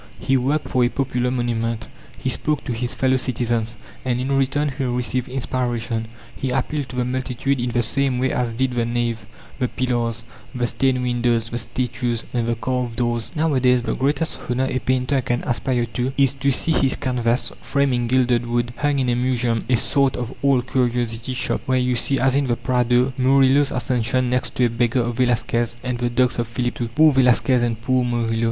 He worked for a popular monument; he spoke to his fellow citizens, and in return he received inspiration; he appealed to the multitude in the same way as did the nave, the pillars, the stained windows, the statues, and the carved doors. Nowadays the greatest honour a painter can aspire to is to see his canvas, framed in gilded wood, hung in a museum, a sort of old curiosity shop, where you see, as in the Prado, Murillo's Ascension next to a beggar of Velasquez and the dogs of Philip II. Poor Velasquez and poor Murillo!